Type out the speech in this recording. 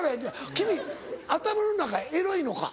君頭の中エロいのか？